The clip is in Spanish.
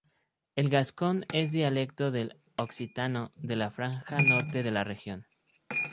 El gascón es dialecto del occitano de la franja norte de la región.